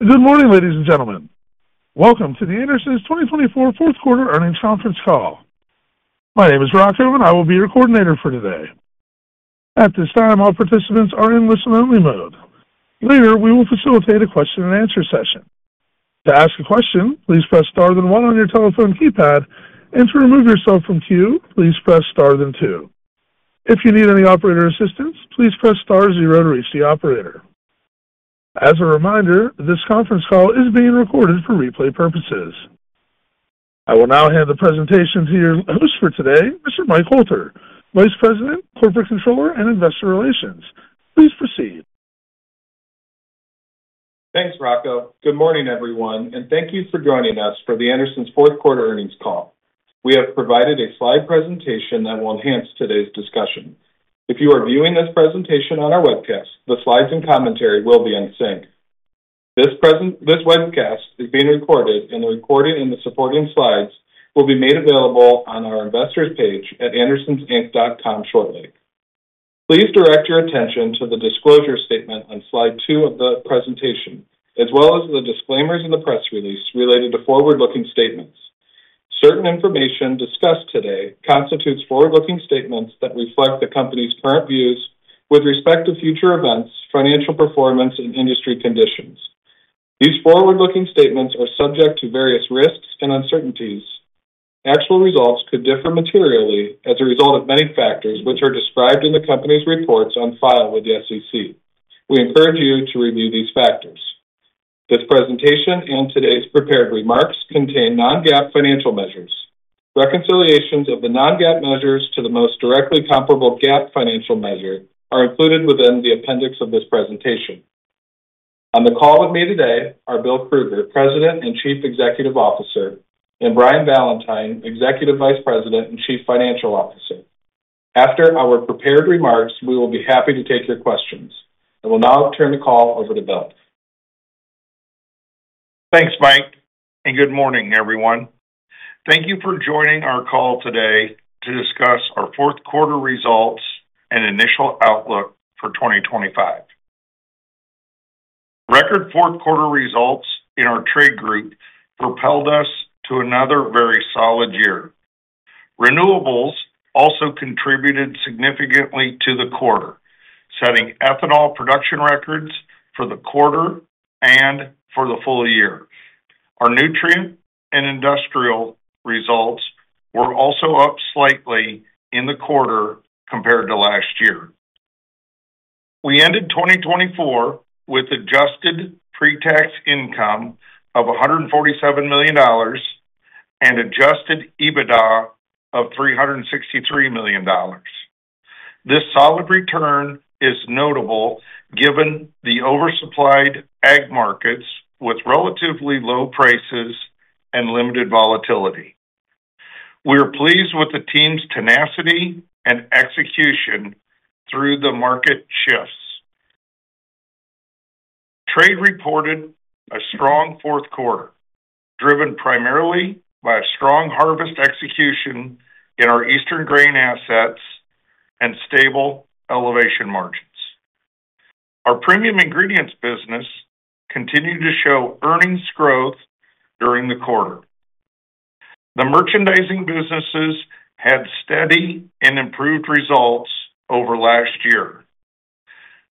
Good morning, ladies and gentlemen. Welcome to The Andersons' 2024 Fourth Quarter Earnings Conference Call. My name is Rocco, and I will be your coordinator for today. At this time, all participants are in listen-only mode. Later, we will facilitate a question-and-answer session. To ask a question, please press star then one on your telephone keypad, and to remove yourself from queue, please press star then two. If you need any operator assistance, please press star zero to reach the operator. As a reminder, this conference call is being recorded for replay purposes. I will now hand the presentation to your host for today, Mr. Mike Hoelter, Vice President, Corporate Controller, and Investor Relations. Please proceed. Thanks, Rocco. Good morning, everyone, and thank you for joining us for The Andersons Fourth Quarter Earnings Call. We have provided a slide presentation that will enhance today's discussion. If you are viewing this presentation on our webcast, the slides and commentary will be in sync. This webcast is being recorded, and the recording and the supporting slides will be made available on our investors' page at AndersonsInc.com shortly. Please direct your attention to the disclosure statement on slide two of the presentation, as well as the disclaimers in the press release related to forward-looking statements. Certain information discussed today constitutes forward-looking statements that reflect the company's current views with respect to future events, financial performance, and industry conditions. These forward-looking statements are subject to various risks and uncertainties. Actual results could differ materially as a result of many factors which are described in the company's reports on file with the SEC. We encourage you to review these factors. This presentation and today's prepared remarks contain non-GAAP financial measures. Reconciliations of the non-GAAP measures to the most directly comparable GAAP financial measure are included within the appendix of this presentation. On the call with me today are Bill Krueger, President and Chief Executive Officer, and Brian Valentine, Executive Vice President and Chief Financial Officer. After our prepared remarks, we will be happy to take your questions. I will now turn the call over to Bill. Thanks, Mike, and good morning, everyone. Thank you for joining our call today to discuss our fourth quarter results and initial outlook for 2025. Record fourth quarter results in our Trade group propelled us to another very solid year. Renewables also contributed significantly to the quarter, setting ethanol production records for the quarter and for the full year. Our Nutrient and Industrial results were also up slightly in the quarter compared to last year. We ended 2024 with adjusted pre-tax income of $147 million and adjusted EBITDA of $363 million. This solid return is notable given the oversupplied ag markets with relatively low prices and limited volatility. We are pleased with the team's tenacity and execution through the market shifts. Trade reported a strong fourth quarter driven primarily by a strong harvest execution in our Eastern grain assets and stable ethanol margins. Our premium ingredients business continued to show earnings growth during the quarter. The merchandising businesses had steady and improved results over last year.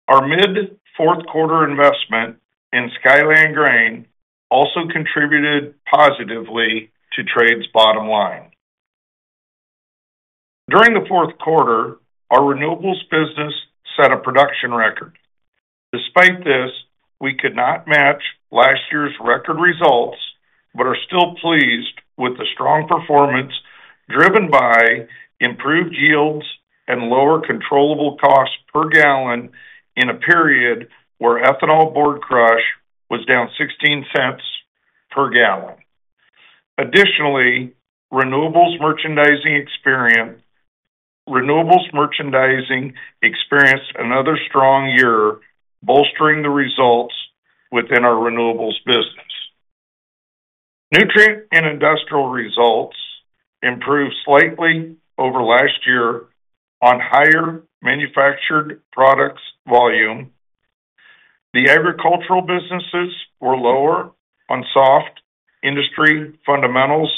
Our mid-fourth quarter investment in Skyland Grain also contributed positively to Trade's bottom line. During the fourth quarter, our Renewables business set a production record. Despite this, we could not match last year's record results but are still pleased with the strong performance driven by improved yields and lower controllable costs per gallon in a period where ethanol board crush was down $0.16 per gallon. Additionally, Renewables merchandising experienced another strong year, bolstering the results within our Renewables business. Nutrient and Industrial results improved slightly over last year on higher manufactured products volume. The agricultural businesses were lower on soft industry fundamentals,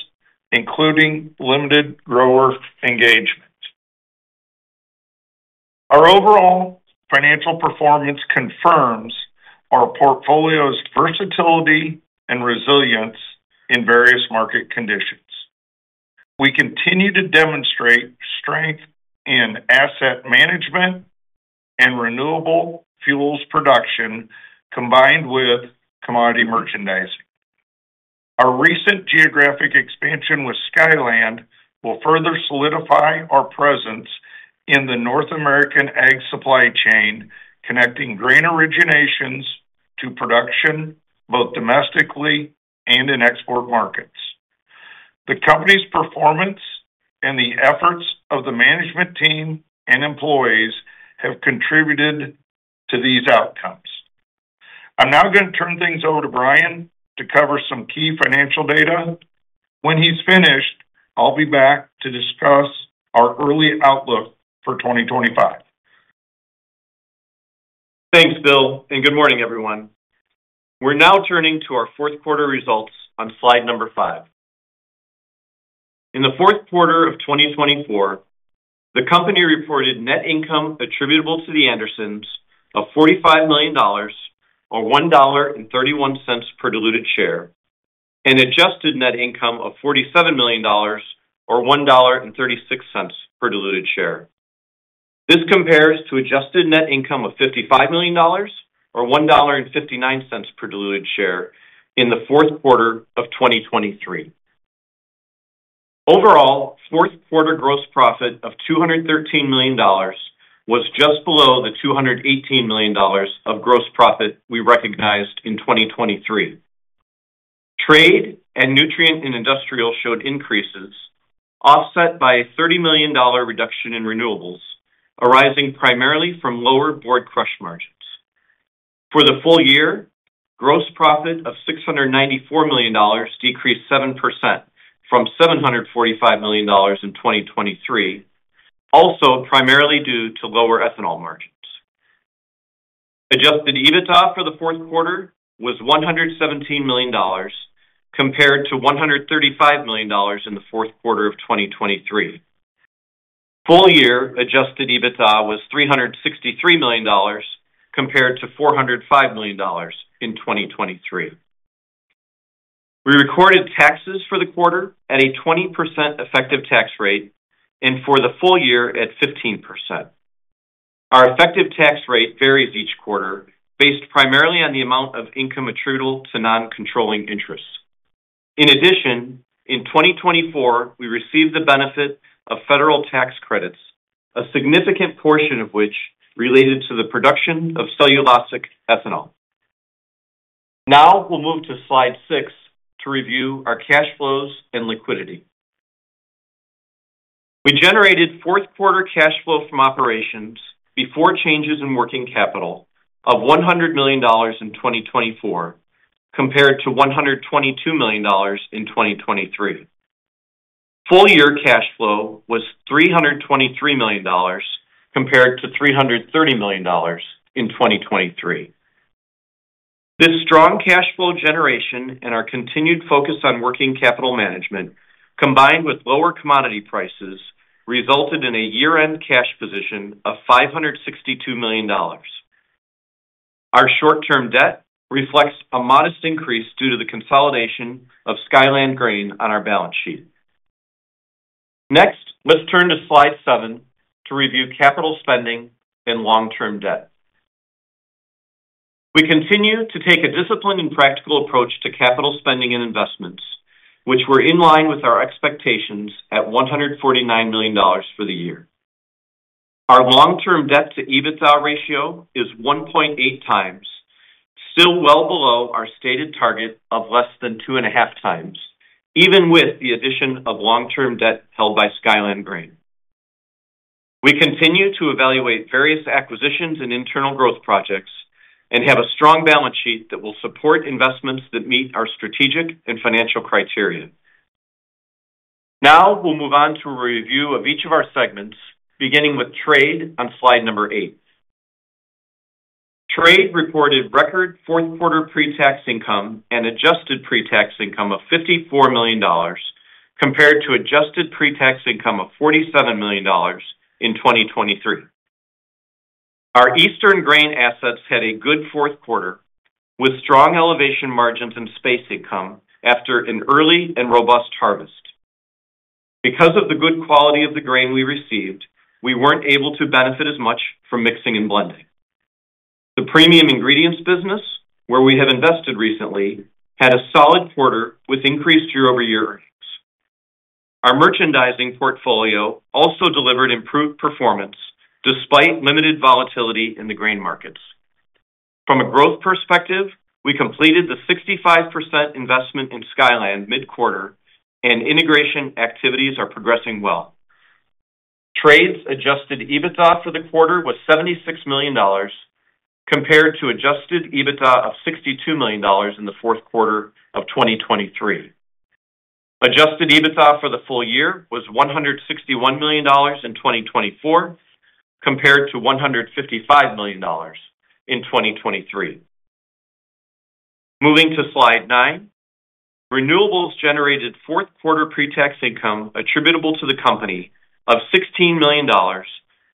including limited grower engagement. Our overall financial performance confirms our portfolio's versatility and resilience in various market conditions. We continue to demonstrate strength in asset management and renewable fuels production combined with commodity merchandising. Our recent geographic expansion with Skyland will further solidify our presence in the North American ag supply chain, connecting grain originations to production both domestically and in export markets. The company's performance and the efforts of the management team and employees have contributed to these outcomes. I'm now going to turn things over to Brian to cover some key financial data. When he's finished, I'll be back to discuss our early outlook for 2025. Thanks, Bill, and good morning, everyone. We're now turning to our fourth quarter results on slide number five. In the fourth quarter of 2024, the company reported net income attributable to The Andersons of $45 million, or $1.31 per diluted share, and adjusted net income of $47 million, or $1.36 per diluted share. This compares to adjusted net income of $55 million, or $1.59 per diluted share in the fourth quarter of 2023. Overall, fourth quarter gross profit of $213 million was just below the $218 million of gross profit we recognized in 2023. Trade and Nutrient and Industrial showed increases, offset by a $30 million reduction in Renewables, arising primarily from lower board crush margins. For the full year, gross profit of $694 million decreased 7% from $745 million in 2023, also primarily due to lower ethanol margins. Adjusted EBITDA for the fourth quarter was $117 million, compared to $135 million in the fourth quarter of 2023. Full-year adjusted EBITDA was $363 million, compared to $405 million in 2023. We recorded taxes for the quarter at a 20% effective tax rate and for the full year at 15%. Our effective tax rate varies each quarter based primarily on the amount of income attributable to non-controlling interest. In addition, in 2024, we received the benefit of federal tax credits, a significant portion of which related to the production of cellulosic ethanol. Now we'll move to slide six to review our cash flows and liquidity. We generated fourth quarter cash flow from operations before changes in working capital of $100 million in 2024, compared to $122 million in 2023. Full-year cash flow was $323 million, compared to $330 million in 2023. This strong cash flow generation and our continued focus on working capital management, combined with lower commodity prices, resulted in a year-end cash position of $562 million. Our short-term debt reflects a modest increase due to the consolidation of Skyland Grain on our balance sheet. Next, let's turn to slide seven to review capital spending and long-term debt. We continue to take a disciplined and practical approach to capital spending and investments, which were in line with our expectations at $149 million for the year. Our long-term debt-to-EBITDA ratio is 1.8 times, still well below our stated target of less than two and a half times, even with the addition of long-term debt held by Skyland Grain. We continue to evaluate various acquisitions and internal growth projects and have a strong balance sheet that will support investments that meet our strategic and financial criteria. Now we'll move on to a review of each of our segments, beginning with trade on slide number eight. Trade reported record fourth quarter pre-tax income and adjusted pre-tax income of $54 million, compared to adjusted pre-tax income of $47 million in 2023. Our Eastern grain assets had a good fourth quarter with strong elevation margins and space income after an early and robust harvest. Because of the good quality of the grain we received, we weren't able to benefit as much from mixing and blending. The premium ingredients business, where we have invested recently, had a solid quarter with increased year-over-year earnings. Our merchandising portfolio also delivered improved performance despite limited volatility in the grain markets. From a growth perspective, we completed the 65% investment in Skyland mid-quarter, and integration activities are progressing well. Trade's Adjusted EBITDA for the quarter was $76 million, compared to Adjusted EBITDA of $62 million in the fourth quarter of 2023. Adjusted EBITDA for the full year was $161 million in 2024, compared to $155 million in 2023. Moving to slide nine, Renewables generated fourth quarter pre-tax income attributable to the company of $16 million,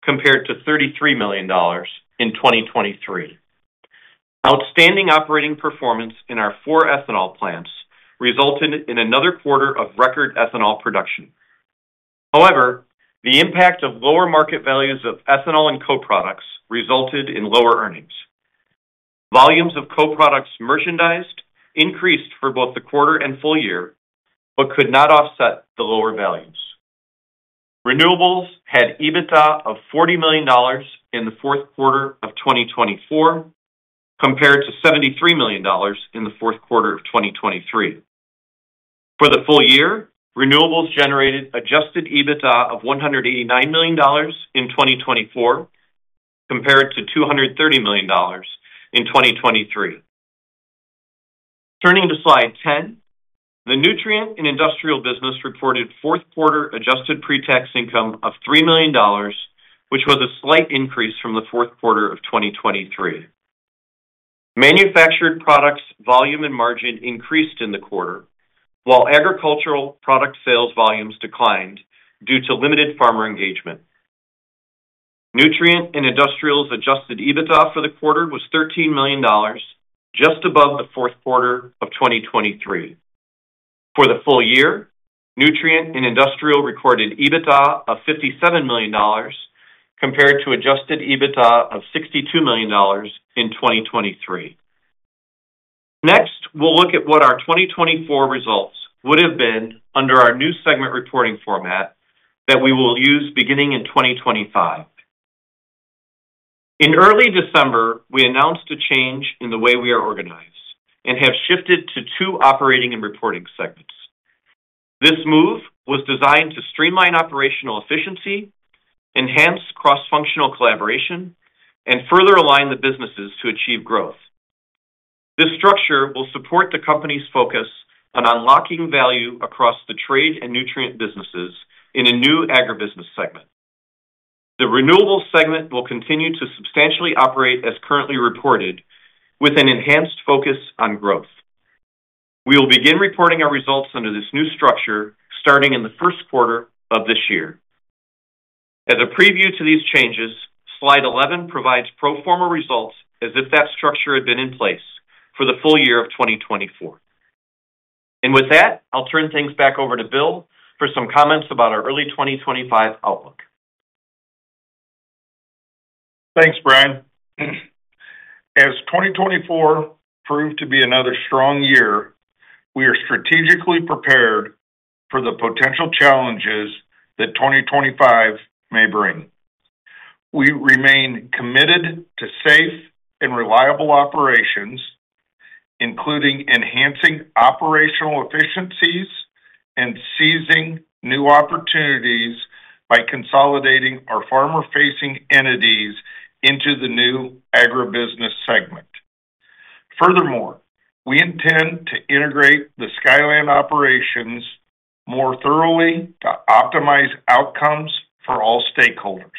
compared to $33 million in 2023. Outstanding operating performance in our four ethanol plants resulted in another quarter of record ethanol production. However, the impact of lower market values of ethanol and co-products resulted in lower earnings. Volumes of co-products merchandised increased for both the quarter and full year, but could not offset the lower values. Renewables had EBITDA of $40 million in the fourth quarter of 2024, compared to $73 million in the fourth quarter of 2023. For the full year, Renewables generated Adjusted EBITDA of $189 million in 2024, compared to $230 million in 2023. Turning to slide ten, the Nutrients and Industrials business reported fourth quarter adjusted pre-tax income of $3 million, which was a slight increase from the fourth quarter of 2023. Manufactured products volume and margin increased in the quarter, while agricultural product sales volumes declined due to limited farmer engagement. Nutrients and Industrials Adjusted EBITDA for the quarter was $13 million, just above the fourth quarter of 2023. For the full year, Nutrients and Industrials recorded EBITDA of $57 million, compared to Adjusted EBITDA of $62 million in 2023. Next, we'll look at what our 2024 results would have been under our new segment reporting format that we will use beginning in 2025. In early December, we announced a change in the way we are organized and have shifted to two operating and reporting segments. This move was designed to streamline operational efficiency, enhance cross-functional collaboration, and further align the businesses to achieve growth. This structure will support the company's focus on unlocking value across the trade and nutrient businesses in a new Agribusiness segment. The Renewables segment will continue to substantially operate as currently reported, with an enhanced focus on growth. We will begin reporting our results under this new structure starting in the first quarter of this year. As a preview to these changes, slide 11 provides pro forma results as if that structure had been in place for the full year of 2024, and with that, I'll turn things back over to Bill for some comments about our early 2025 outlook. Thanks, Brian. As 2024 proved to be another strong year, we are strategically prepared for the potential challenges that 2025 may bring. We remain committed to safe and reliable operations, including enhancing operational efficiencies and seizing new opportunities by consolidating our farmer-facing entities into the new Agribusiness segment. Furthermore, we intend to integrate the Skyland operations more thoroughly to optimize outcomes for all stakeholders.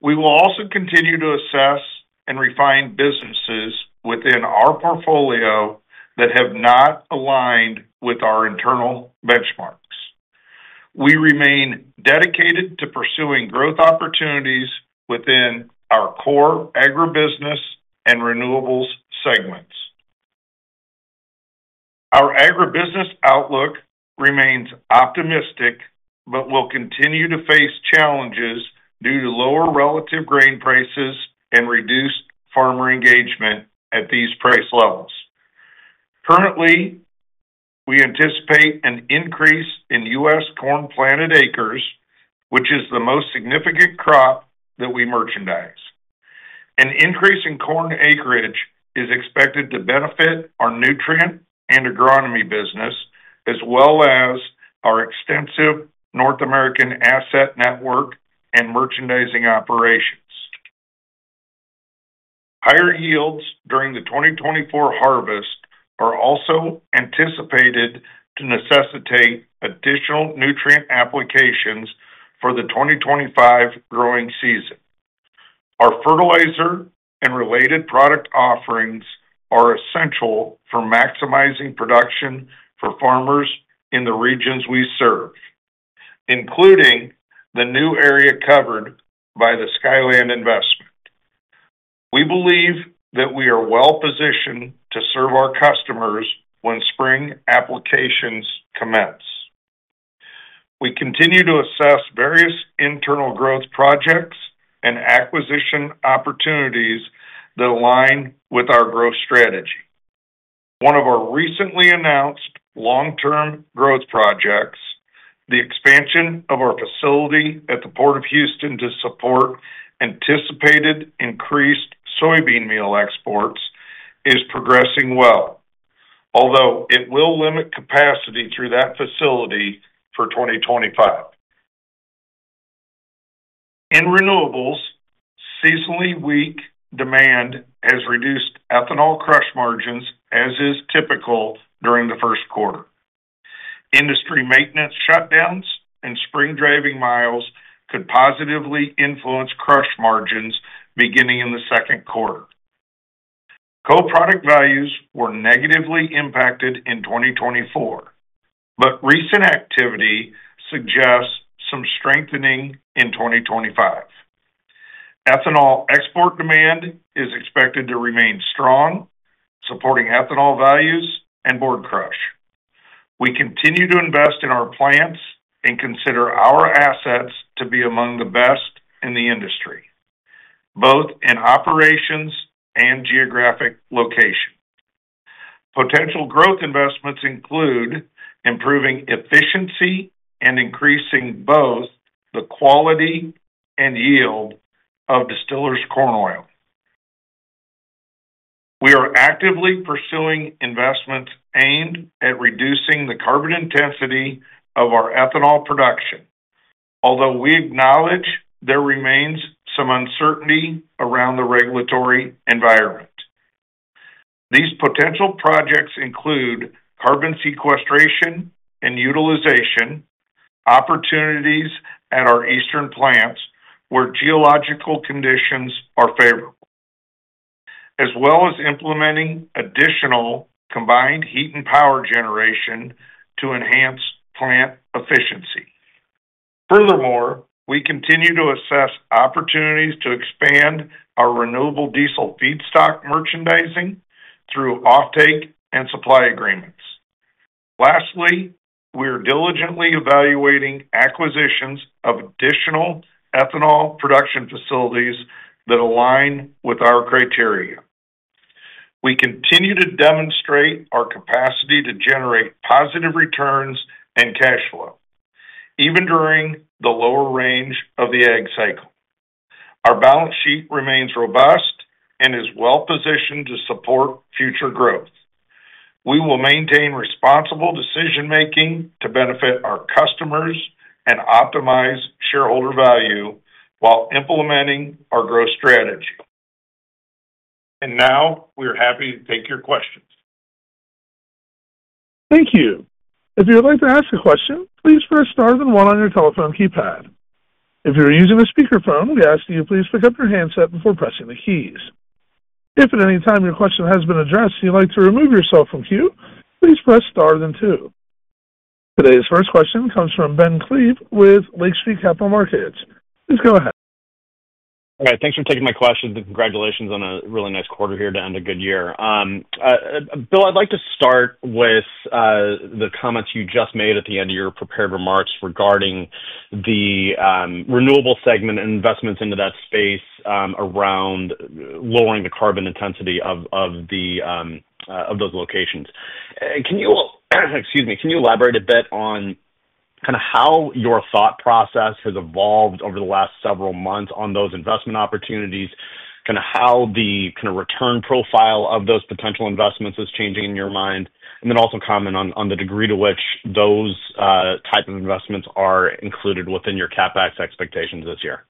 We will also continue to assess and refine businesses within our portfolio that have not aligned with our internal benchmarks. We remain dedicated to pursuing growth opportunities within our core agribusiness and Renewables segments. Our agribusiness outlook remains optimistic but will continue to face challenges due to lower relative grain prices and reduced farmer engagement at these price levels. Currently, we anticipate an increase in U.S. corn planted acres, which is the most significant crop that we merchandise. An increase in corn acreage is expected to benefit our nutrient and agronomy business, as well as our extensive North American asset network and merchandising operations. Higher yields during the 2024 harvest are also anticipated to necessitate additional nutrient applications for the 2025 growing season. Our fertilizer and related product offerings are essential for maximizing production for farmers in the regions we serve, including the new area covered by the Skyland investment. We believe that we are well positioned to serve our customers when spring applications commence. We continue to assess various internal growth projects and acquisition opportunities that align with our growth strategy. One of our recently announced long-term growth projects, the expansion of our facility at the Port of Houston to support anticipated increased soybean meal exports, is progressing well, although it will limit capacity through that facility for 2025. In Renewables, seasonally weak demand has reduced ethanol crush margins, as is typical during the first quarter. Industry maintenance shutdowns and spring driving miles could positively influence crush margins beginning in the second quarter. Co-product values were negatively impacted in 2024, but recent activity suggests some strengthening in 2025. Ethanol export demand is expected to remain strong, supporting ethanol values and board crush. We continue to invest in our plants and consider our assets to be among the best in the industry, both in operations and geographic location. Potential growth investments include improving efficiency and increasing both the quality and yield of Distillers Corn Oil. We are actively pursuing investments aimed at reducing the carbon intensity of our ethanol production, although we acknowledge there remains some uncertainty around the regulatory environment. These potential projects include carbon sequestration and utilization opportunities at our Eastern plants where geological conditions are favorable, as well as implementing additional combined heat and power generation to enhance plant efficiency. Furthermore, we continue to assess opportunities to expand our renewable diesel feedstock merchandising through offtake and supply agreements. Lastly, we are diligently evaluating acquisitions of additional ethanol production facilities that align with our criteria. We continue to demonstrate our capacity to generate positive returns and cash flow, even during the lower range of the ag cycle. Our balance sheet remains robust and is well positioned to support future growth. We will maintain responsible decision-making to benefit our customers and optimize shareholder value while implementing our growth strategy. And now we are happy to take your questions. Thank you. If you would like to ask a question, please press star then one on your telephone keypad. If you are using a speakerphone, we ask that you please pick up your handset before pressing the keys. If at any time your question has been addressed and you'd like to remove yourself from cue, please press star then two. Today's first question comes from Ben Klieve with Lake Street Capital Markets. Please go ahead. All right. Thanks for taking my questions. Congratulations on a really nice quarter here to end a good year. Bill, I'd like to start with the comments you just made at the end of your prepared remarks regarding the renewable segment and investments into that space around lowering the carbon intensity of those locations. Can you elaborate a bit on kind of how your thought process has evolved over the last several months on those investment opportunities, kind of how the kind of return profile of those potential investments is changing in your mind, and then also comment on the degree to which those types of investments are included within your CapEx expectations this year?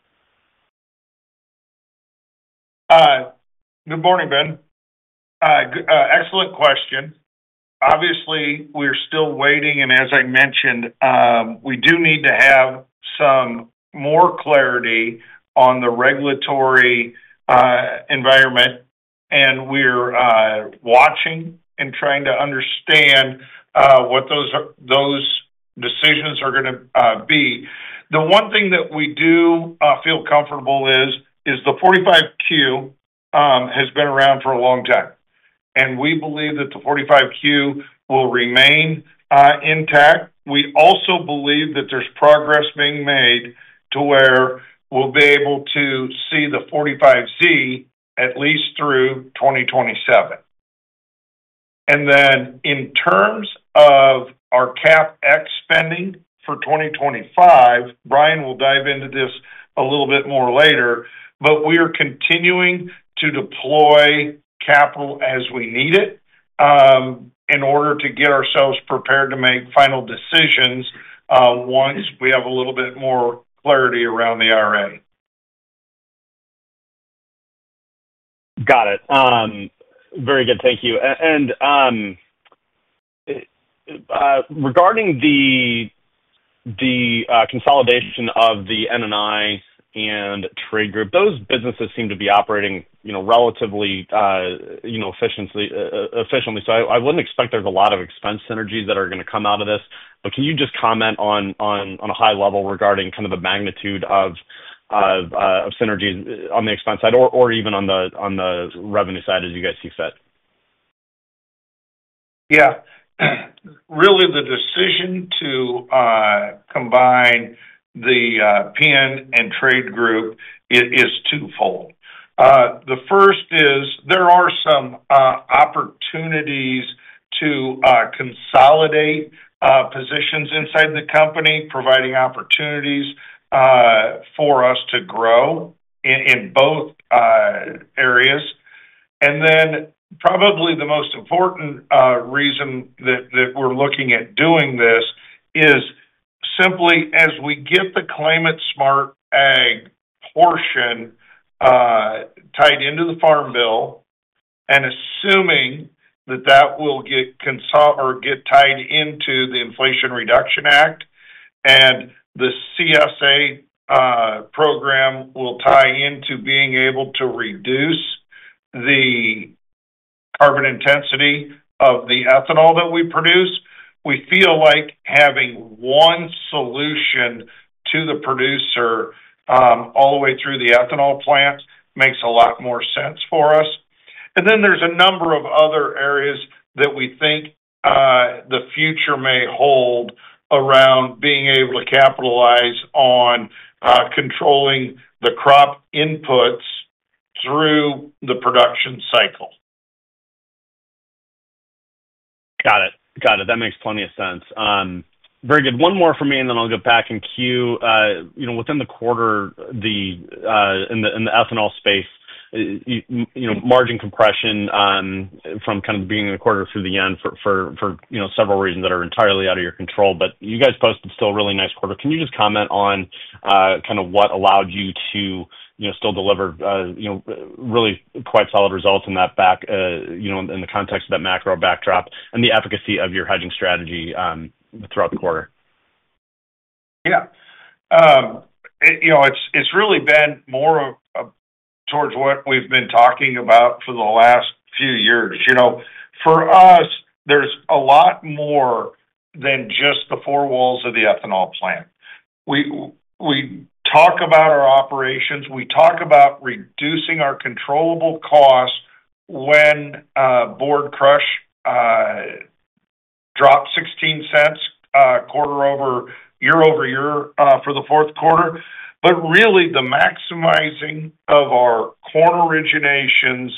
Good morning, Ben. Excellent question. Obviously, we're still waiting, and as I mentioned, we do need to have some more clarity on the regulatory environment, and we're watching and trying to understand what those decisions are going to be. The one thing that we do feel comfortable with is the 45Q has been around for a long time, and we believe that the 45Q will remain intact. We also believe that there's progress being made to where we'll be able to see the 45Z at least through 2027. And then in terms of our CapEx spending for 2025, Brian will dive into this a little bit more later, but we are continuing to deploy capital as we need it in order to get ourselves prepared to make final decisions once we have a little bit more clarity around the IRA. Got it. Very good. Thank you. And regarding the consolidation of the ANI and Trade group, those businesses seem to be operating relatively efficiently. So I wouldn't expect there's a lot of expense synergies that are going to come out of this, but can you just comment on a high level regarding kind of the magnitude of synergies on the expense side or even on the revenue side as you guys see fit? Yeah. Really, the decision to combine the ANI and Trade group is twofold. The first is there are some opportunities to consolidate positions inside the company, providing opportunities for us to grow in both areas. And then probably the most important reason that we're looking at doing this is simply as we get the Climate-Smart Ag portion tied into the Farm Bill, and assuming that that will get tied into the Inflation Reduction Act and the CSA program will tie into being able to reduce the carbon intensity of the ethanol that we produce, we feel like having one solution to the producer all the way through the ethanol plant makes a lot more sense for us. And then there's a number of other areas that we think the future may hold around being able to capitalize on controlling the crop inputs through the production cycle. Got it. Got it. That makes plenty of sense. Very good. One more for me, and then I'll go back and queue. Within the quarter, in the ethanol space, margin compression from kind of the beginning of the quarter through the end for several reasons that are entirely out of your control. But you guys posted still a really nice quarter. Can you just comment on kind of what allowed you to still deliver really quite solid results in that back in the context of that macro backdrop and the efficacy of your hedging strategy throughout the quarter? Yeah. It's really been more towards what we've been talking about for the last few years. For us, there's a lot more than just the four walls of the ethanol plant. We talk about our operations. We talk about reducing our controllable costs when board crush drops $0.16 year over year for the fourth quarter. But really, the maximizing of our corn originations,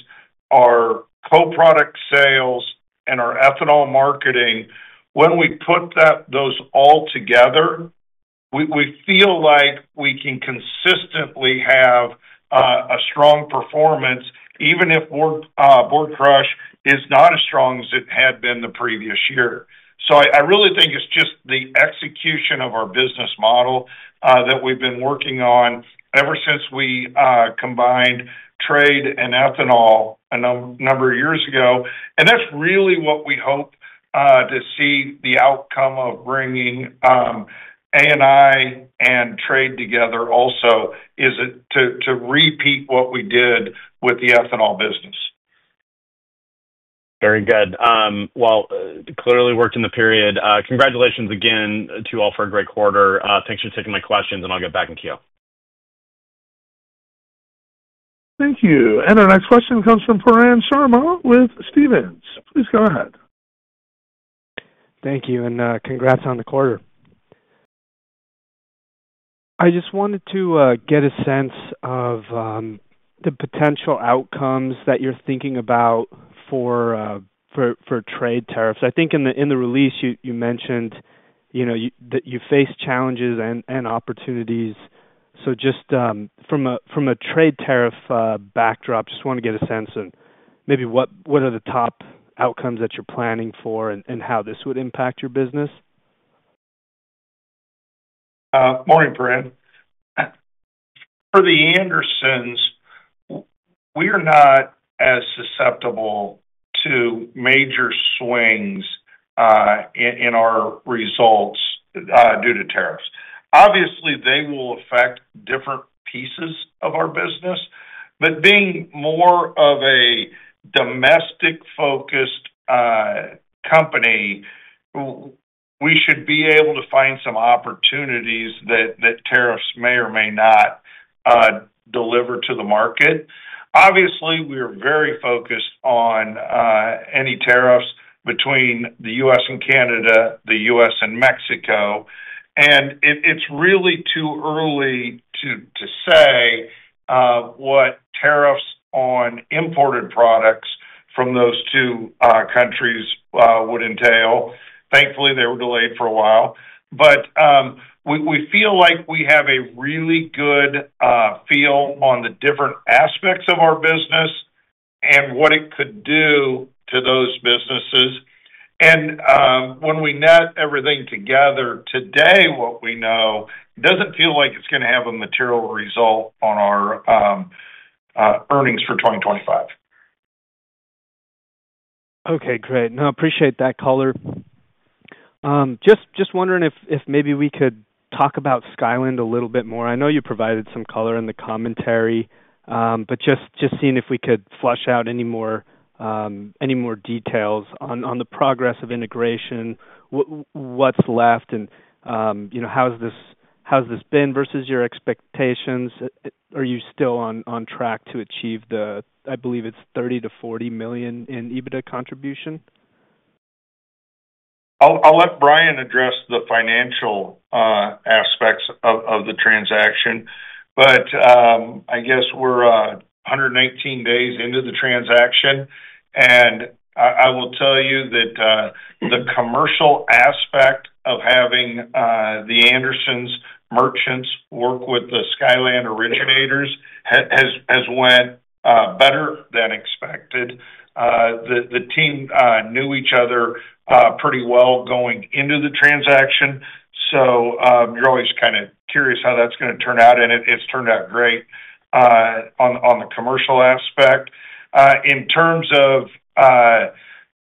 our co-product sales, and our ethanol marketing, when we put those all together, we feel like we can consistently have a strong performance even if board crush is not as strong as it had been the previous year. So I really think it's just the execution of our business model that we've been working on ever since we combined trade and ethanol a number of years ago. And that's really what we hope to see the outcome of bringing ANI and trade together also is to repeat what we did with the ethanol business. Very good. Well, clearly worked in the period. Congratulations again to all for a great quarter. Thanks for taking my questions, and I'll get back in queue. Thank you. And our next question comes from Pooran Sharma with Stephens. Please go ahead. Thank you. And congrats on the quarter. I just wanted to get a sense of the potential outcomes that you're thinking about for trade tariffs. I think in the release, you mentioned that you face challenges and opportunities. So just from a trade tariff backdrop, just want to get a sense of maybe what are the top outcomes that you're planning for and how this would impact your business? Morning, Pooran. For The Andersons, we are not as susceptible to major swings in our results due to tariffs. Obviously, they will affect different pieces of our business. But being more of a domestic-focused company, we should be able to find some opportunities that tariffs may or may not deliver to the market. Obviously, we are very focused on any tariffs between the U.S. and Canada, the U.S. and Mexico. And it's really too early to say what tariffs on imported products from those two countries would entail. Thankfully, they were delayed for a while. But we feel like we have a really good feel on the different aspects of our business and what it could do to those businesses. And when we net everything together today, what we know doesn't feel like it's going to have a material result on our earnings for 2025. Okay. Great. No, appreciate that, caller. Just wondering if maybe we could talk about Skyland a little bit more. I know you provided some color in the commentary, but just seeing if we could flesh out any more details on the progress of integration, what's left, and how has this been versus your expectations? Are you still on track to achieve the, I believe it's $30-40 million in EBITDA contribution? I'll let Brian address the financial aspects of the transaction. But I guess we're 119 days into the transaction, and I will tell you that the commercial aspect of having The Andersons merchants work with the Skyland originators has went better than expected. The team knew each other pretty well going into the transaction. So you're always kind of curious how that's going to turn out, and it's turned out great on the commercial aspect. In terms of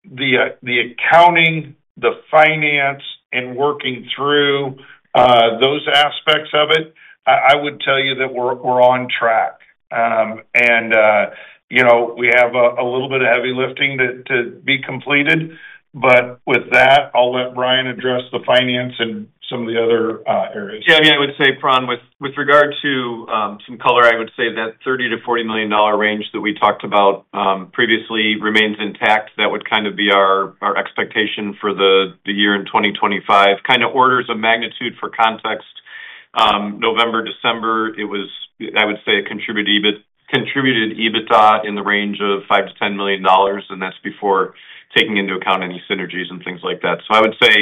the accounting, the finance, and working through those aspects of it, I would tell you that we're on track. And we have a little bit of heavy lifting to be completed. But with that, I'll let Brian address the finance and some of the other areas. Yeah. Yeah. I would say, Pooran, with regard to some color, I would say that $30-$40 million range that we talked about previously remains intact. That would kind of be our expectation for the year in 2025. Kind of orders of magnitude for context, November, December, it was, I would say, a contributed EBITDA in the range of $5-$10 million, and that's before taking into account any synergies and things like that. So I would say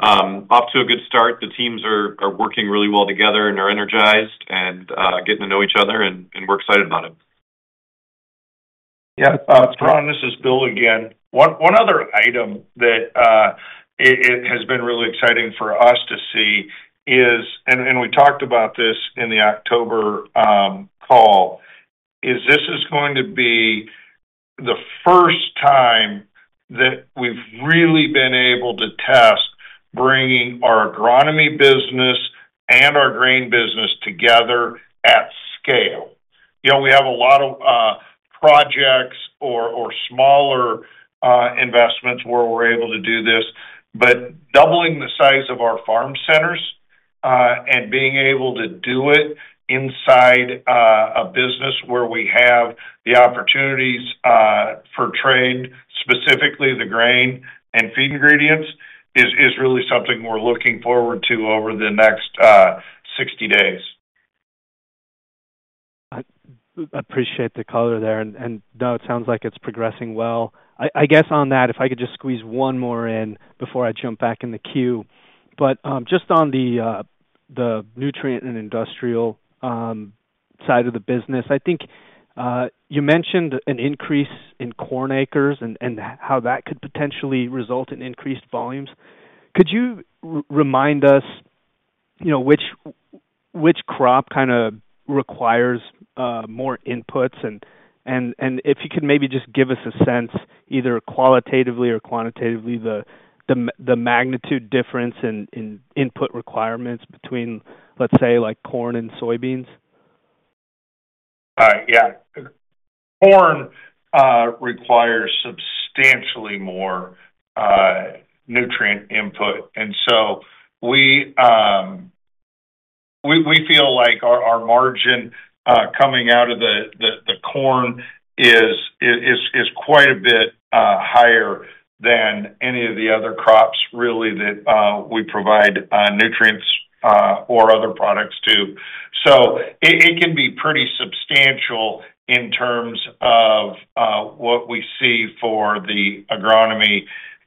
off to a good start. The teams are working really well together and are energized and getting to know each other, and we're excited about it. Yeah. Brian, this is Bill again. One other item that has been really exciting for us to see is, and we talked about this in the October call, is this is going to be the first time that we've really been able to test bringing our agronomy business and our grain business together at scale. We have a lot of projects or smaller investments where we're able to do this, but doubling the size of our farm centers and being able to do it inside a business where we have the opportunities for trade, specifically the grain and feed ingredients, is really something we're looking forward to over the next 60 days. I appreciate the color there. And no, it sounds like it's progressing well. I guess on that, if I could just squeeze one more in before I jump back in the queue. But just on the Nutrient and Industrial side of the business, I think you mentioned an increase in corn acres and how that could potentially result in increased volumes. Could you remind us which crop kind of requires more inputs? And if you could maybe just give us a sense, either qualitatively or quantitatively, the magnitude difference in input requirements between, let's say, corn and soybeans? Yeah. Corn requires substantially more nutrient input. And so we feel like our margin coming out of the corn is quite a bit higher than any of the other crops really that we provide nutrients or other products to. So it can be pretty substantial in terms of what we see for the agronomy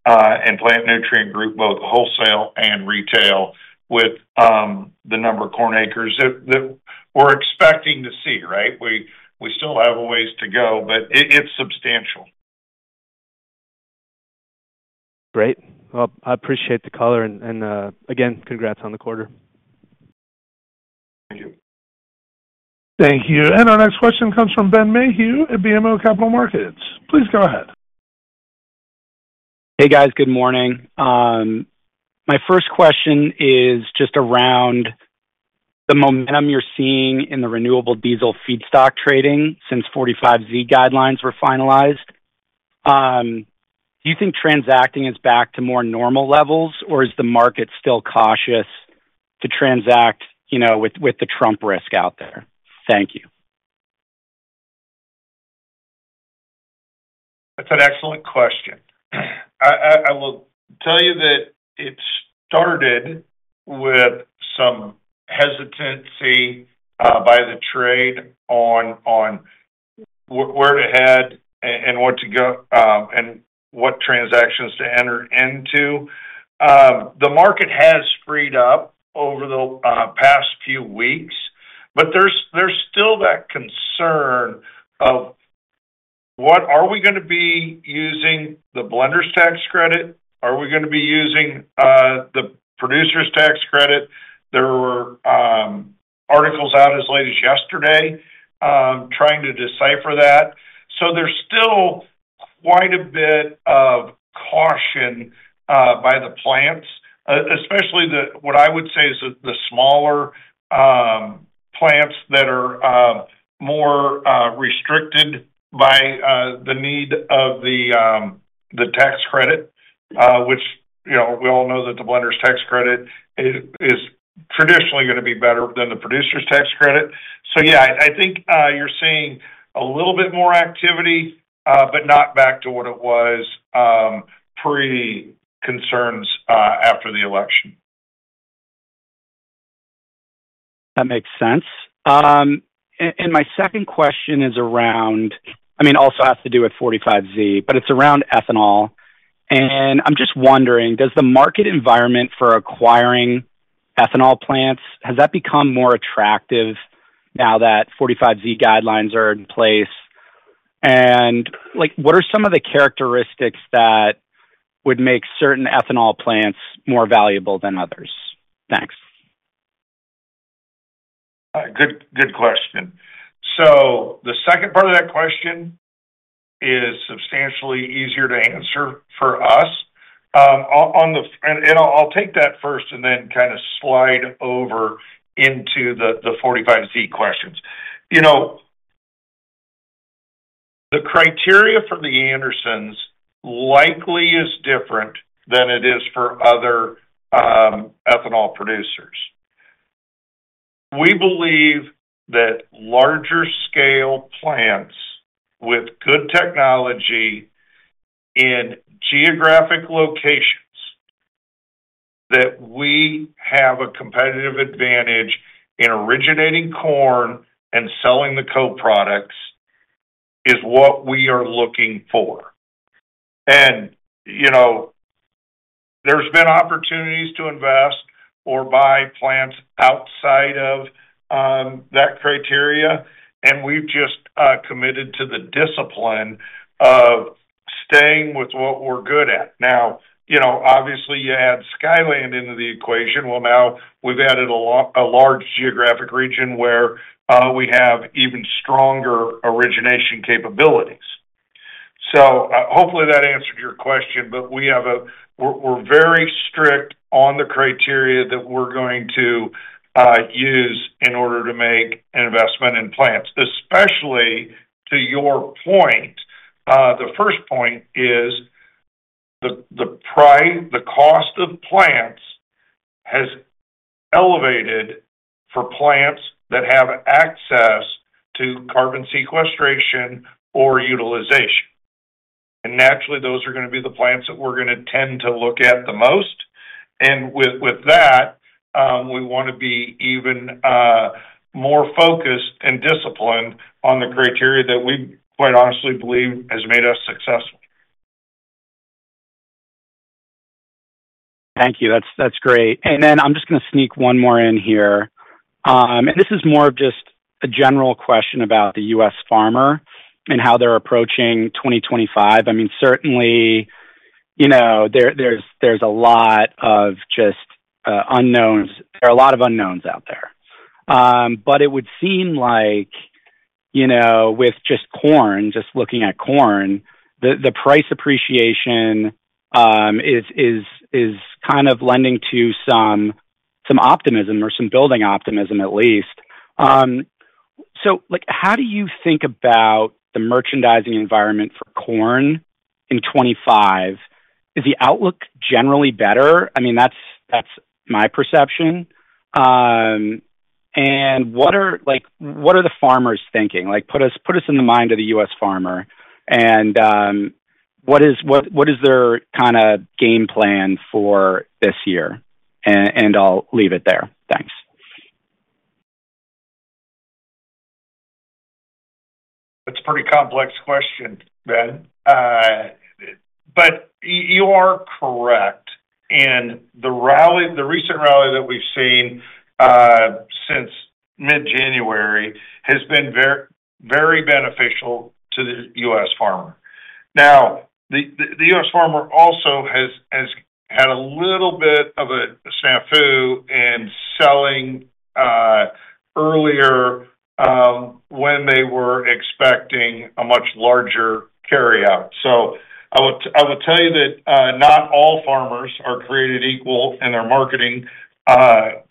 and plant nutrient group, both wholesale and retail, with the number of corn acres that we're expecting to see, right? We still have a ways to go, but it's substantial. Great. Well, I appreciate the color. And again, congrats on the quarter. Thank you. Thank you. And our next question comes from Ben Mayhew at BMO Capital Markets. Please go ahead. Hey, guys. Good morning. My first question is just around the momentum you're seeing in the renewable diesel feedstock trading since 45Z guidelines were finalized. Do you think transacting is back to more normal levels, or is the market still cautious to transact with the Trump risk out there? Thank you. That's an excellent question. I will tell you that it started with some hesitancy by the trade on where to head and what to go and what transactions to enter into. The market has freed up over the past few weeks, but there's still that concern of, are we going to be using the blender's tax credit? Are we going to be using the producer's tax credit? There were articles out as late as yesterday trying to decipher that. So there's still quite a bit of caution by the plants, especially what I would say is the smaller plants that are more restricted by the need of the tax credit, which we all know that the blender's tax credit is traditionally going to be better than the producer's tax credit. So yeah, I think you're seeing a little bit more activity, but not back to what it was pre-concerns after the election. That makes sense. And my second question is around, I mean, also has to do with 45Z, but it's around ethanol. And I'm just wondering, does the market environment for acquiring ethanol plants, has that become more attractive now that 45Z guidelines are in place? And what are some of the characteristics that would make certain ethanol plants more valuable than others? Thanks. Good question. So the second part of that question is substantially easier to answer for us. And I'll take that first and then kind of slide over into the 45Z questions. The criteria for The Andersons likely is different than it is for other ethanol producers. We believe that larger scale plants with good technology in geographic locations that we have a competitive advantage in originating corn and selling the co-products is what we are looking for. And there's been opportunities to invest or buy plants outside of that criteria, and we've just committed to the discipline of staying with what we're good at. Now, obviously, you add Skyland into the equation. Well, now we've added a large geographic region where we have even stronger origination capabilities. Hopefully that answered your question, but we're very strict on the criteria that we're going to use in order to make an investment in plants. Especially to your point, the first point is the cost of plants has elevated for plants that have access to carbon sequestration or utilization. Naturally, those are going to be the plants that we're going to tend to look at the most. With that, we want to be even more focused and disciplined on the criteria that we quite honestly believe has made us successful. Thank you. That's great. And then I'm just going to sneak one more in here. And this is more of just a general question about the U.S. farmer and how they're approaching 2025. I mean, certainly, there's a lot of just unknowns. There are a lot of unknowns out there. But it would seem like with just corn, just looking at corn, the price appreciation is kind of lending to some optimism or some building optimism at least. So how do you think about the merchandising environment for corn in '25? Is the outlook generally better? I mean, that's my perception. And what are the farmers thinking? Put us in the mind of the U.S. farmer. And what is their kind of game plan for this year? And I'll leave it there. Thanks. That's a pretty complex question, Ben. But you are correct. And the recent rally that we've seen since mid-January has been very beneficial to the U.S. farmer. Now, the U.S. farmer also has had a little bit of a snafu in selling earlier when they were expecting a much larger carryout. So I will tell you that not all farmers are created equal in their marketing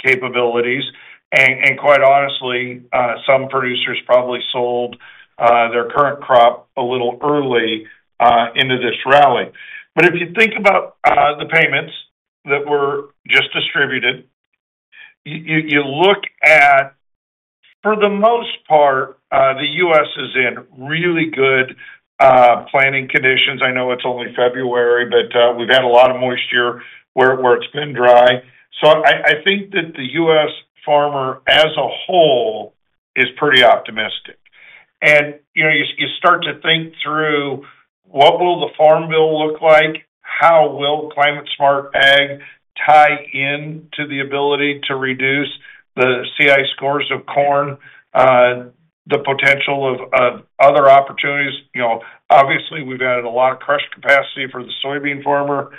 capabilities. And quite honestly, some producers probably sold their current crop a little early into this rally. But if you think about the payments that were just distributed, you look at, for the most part, the U.S. is in really good planting conditions. I know it's only February, but we've had a lot of moisture where it's been dry. So I think that the U.S. farmer as a whole is pretty optimistic. And you start to think through what will the Farm Bill look like? How will Climate-Smart Ag tie into the ability to reduce the CI scores of corn, the potential of other opportunities? Obviously, we've added a lot of crush capacity for the soybean farmer.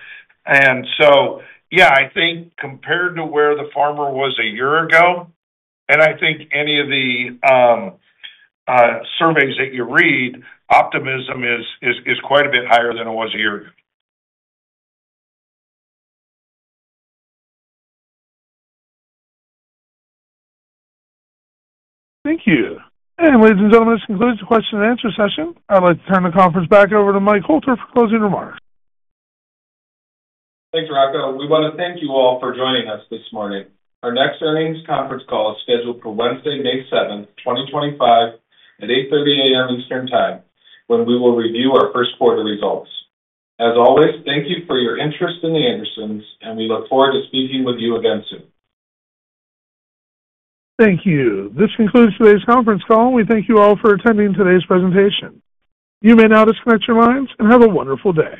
And so yeah, I think compared to where the farmer was a year ago, and I think any of the surveys that you read, optimism is quite a bit higher than it was a year ago. Thank you. And ladies and gentlemen, this concludes the question and answer session. I'd like to turn the conference back over to Mike Hoelter for closing remarks. Thanks, Rocco. We want to thank you all for joining us this morning. Our next earnings conference call is scheduled for Wednesday, May 7th, 2025, at 8:30 A.M. Eastern Time, when we will review our first quarter results. As always, thank you for your interest in The Andersons, and we look forward to speaking with you again soon. Thank you. This concludes today's conference call, and we thank you all for attending today's presentation. You may now disconnect your lines and have a wonderful day.